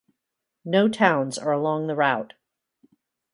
No towns are along the route.